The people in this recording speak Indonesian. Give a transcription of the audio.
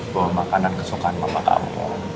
bawa makanan kesukaan bapak kamu